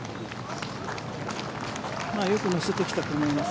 よく乗せてきたと思います。